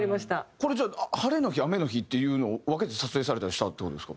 これじゃあ晴れの日雨の日っていうのを分けて撮影されたりしたっていう事ですか？